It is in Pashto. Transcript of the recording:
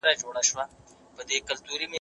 استاد شاګرد ته د موضوع جوړښت ورښيي.